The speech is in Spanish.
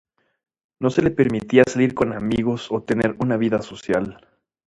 No se le permitía salir con amigos o tener una vida social.